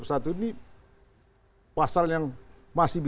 tergantung dari sisi mana kita berpikir